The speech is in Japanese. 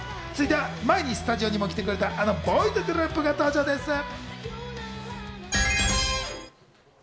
続いては前にスタジオにも来てくれた、あのボーイズグループが登場です。